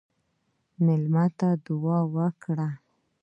مېلمه ته دعا وکړه.